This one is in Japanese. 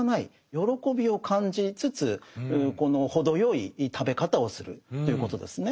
喜びを感じつつこの程よい食べ方をするということですね。